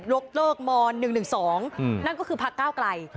โรคเติกม๑๑๒นั่นก็คือพรรคก้าวกล่าย